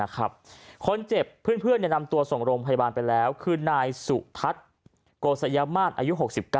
คนเจ็บเพื่อนนำตัวส่งโรงพยาบาลไปแล้วคือนายสุทัศน์โกสยามาศอายุ๖๙